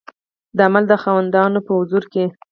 د عمل د خاوندانو په حضور کې